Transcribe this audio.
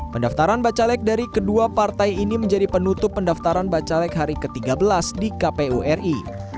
pendaftaran bacalek dari kedua partai ini menjadi penutup pendaftaran bacalek hari ke tiga belas di kpu ri